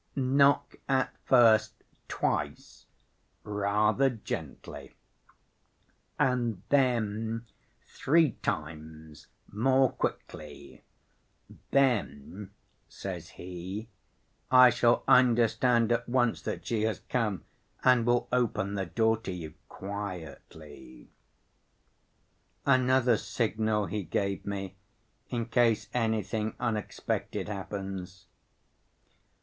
Knock at first twice, rather gently, and then three times more quickly, then,' says he, 'I shall understand at once that she has come, and will open the door to you quietly.' Another signal he gave me in case anything unexpected happens.